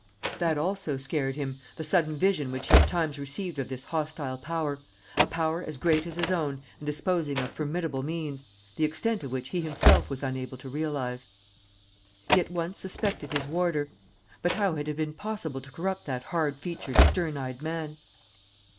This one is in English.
That also scared him, the sudden vision which he at times received of this hostile power, a power as great as his own and disposing of formidable means, the extent of which he himself was unable to realize. He at once suspected his warder. But how had it been possible to corrupt that hard featured, stern eyed man?